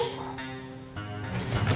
soalnya teh kang tatang stres